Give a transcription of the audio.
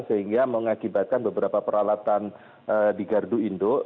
sehingga mengakibatkan beberapa peralatan di gardu induk